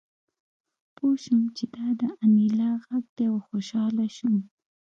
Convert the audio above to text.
پوه شوم چې دا د انیلا غږ دی او خوشحاله شوم